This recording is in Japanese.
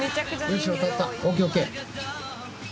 ＯＫＯＫ。